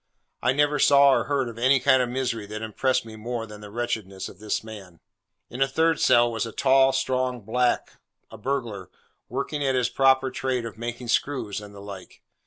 I never saw or heard of any kind of misery that impressed me more than the wretchedness of this man. In a third cell, was a tall, strong black, a burglar, working at his proper trade of making screws and the like.